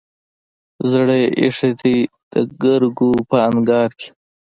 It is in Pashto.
زړه يې ايښی دی دګرګو په انګار کې